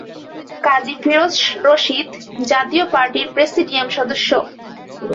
কাজী ফিরোজ রশীদ জাতীয় পার্টির প্রেসিডিয়াম সদস্য।